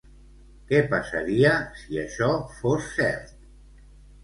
Què passaria si això fos cert?